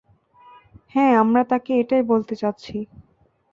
হ্যাঁ, আমরা তাকে এটাই বলতে যাচ্ছি!